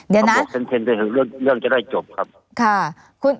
เขาบอกเซ็นเรื่องจะได้จบครับ